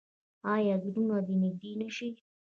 آیا زړونه دې نږدې نشي؟